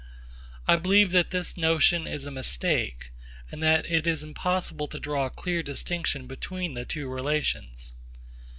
I believe that this notion is a mistake, and that it is impossible to draw a clear distinction between the two relations.